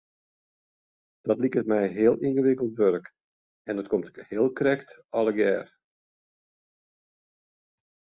Dat liket my heel yngewikkeld wurk en dat komt ek heel krekt allegear.